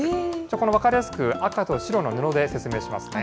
この分かりやすく、赤と白の布で説明しますね。